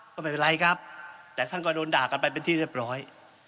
ก็ไม่เป็นไรครับแต่ท่านก็โดนด่ากันไปเป็นที่เรียบร้อย